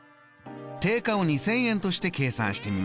定価を２０００円として計算してみましょう。